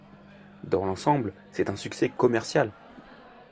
Dans l'ensemble, c'est un succès commercial.